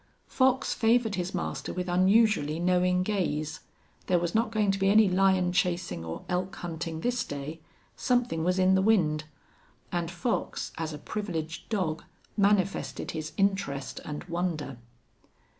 Fox favored his master with unusually knowing gaze. There was not going to be any lion chasing or elk hunting this day. Something was in the wind. And Fox, as a privileged dog, manifested his interest and wonder.